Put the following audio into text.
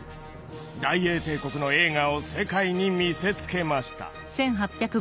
大英帝国の栄華を世界に見せつけました。